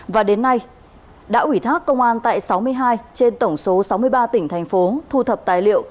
và đến nay đã ủy thác công an tại sáu mươi hai trên tổng số sáu mươi ba tỉnh thành phố thu thập tài liệu